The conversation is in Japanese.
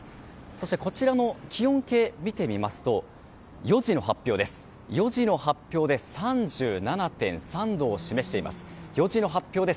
そして、こちらの気温計を見てみますと４時の発表で３７．３度を示しています。